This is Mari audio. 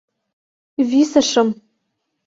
— Висышым.